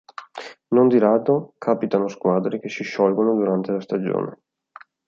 Non di rado capitano squadre che si sciolgono durante la stagione.